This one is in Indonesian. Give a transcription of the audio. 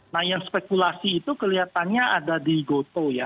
nah yang spekulasi itu kelihatannya ada di gotoh ya